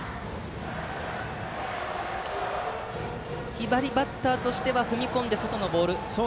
左バッターとしては踏み込んで外のボール。